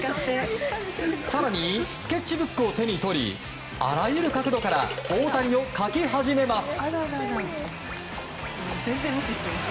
更に、スケッチブックを手に取りあらゆる角度から大谷を描き始めます。